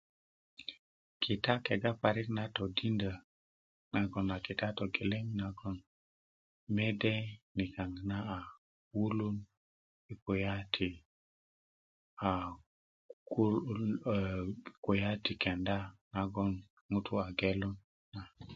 kita kega parik na todindö nagon a kita togeleŋ nagon mede nikaŋ na a wulun yi kuya ti aa wu kuya ti kenda nagon ŋutu' a gelun na